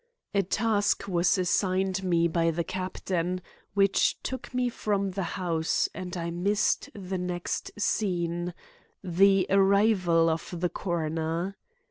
A task was assigned me by the captain which took me from the house, and I missed the next scene—the arrival of the coroner.